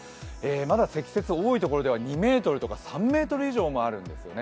まだ積雪、多いところでは２ｍとか３ｍ以上あるところもあるんですね。